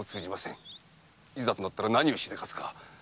いざとなったら何をしでかすか。